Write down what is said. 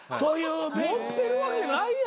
持ってるわけないやんけ。